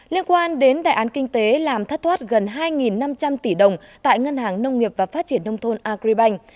liên quan đến đại án kinh tế làm thất thoát gần hai năm trăm linh tỷ đồng tại ngân hàng nông nghiệp và phát triển nông thôn agribank